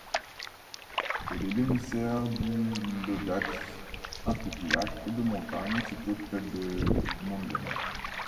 Elle est l'émissaire du Laudachsee, un petit lac de montagne situé près de Gmunden.